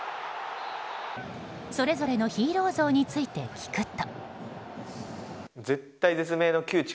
それぞれのヒーロー像について聞くと。